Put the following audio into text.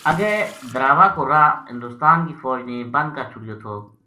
اگے دراوہ کو راہ ہندستان کی فوج نے بند کر چھُڑیو تھو